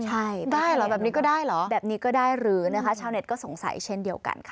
ใช่ได้เหรอแบบนี้ก็ได้เหรอแบบนี้ก็ได้หรือนะคะชาวเน็ตก็สงสัยเช่นเดียวกันค่ะ